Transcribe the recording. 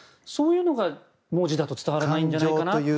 そういうのが文字だと伝わらないんじゃないかなって。